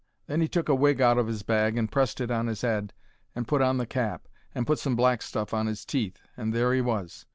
Then 'e took a wig out of 'is bag and pressed it on his 'ead, put on the cap, put some black stuff on 'is teeth, and there he was.